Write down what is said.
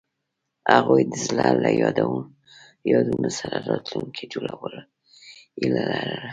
هغوی د زړه له یادونو سره راتلونکی جوړولو هیله لرله.